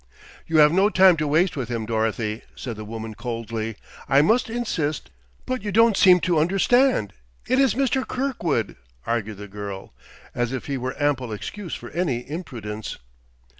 "You have no time to waste with him, Dorothy," said the woman coldly. "I must insist " "But you don't seem to understand; it is Mr. Kirkwood!" argued the girl, as if he were ample excuse for any imprudence!